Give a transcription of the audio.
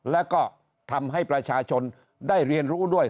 แล้วก็ทำให้ประชาชนได้เรียนรู้ด้วย